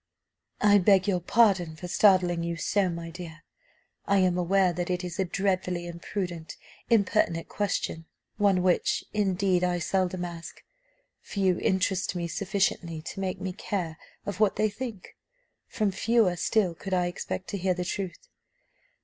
"I beg your pardon for startling you so, my dear; I am aware that it is a dreadfully imprudent, impertinent question one which, indeed, I seldom ask. Few interest me sufficiently to make me care of what they think: from fewer still could I expect to hear the truth.